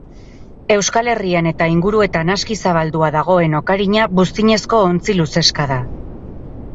Euskal Herrian eta inguruetan aski zabaldua dagoen okarina buztinezko ontzi luzeska da.